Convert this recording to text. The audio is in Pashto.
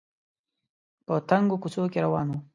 په تنګو کوڅو کې روان و